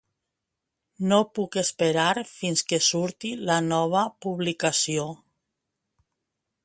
No puc esperar fins que surti la nova publicació.